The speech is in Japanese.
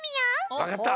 わかった！